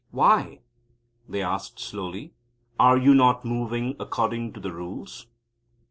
"Why," they asked slowly, "are you not moving according to the Rules?"